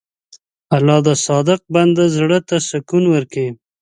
الله د صادق بنده زړه ته سکون ورکوي.